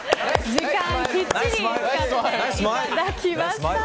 時間きっちり使っていただきました。